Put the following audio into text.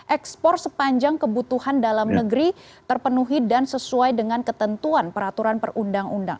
ekspor sepanjang kebutuhan dalam negeri terpenuhi dan sesuai dengan ketentuan peraturan perundang undang